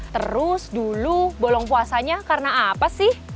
terus dulu bolong puasanya karena apa sih